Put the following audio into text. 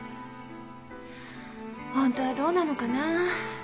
本当はどうなのかな？